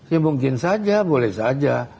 ya mungkin saja boleh saja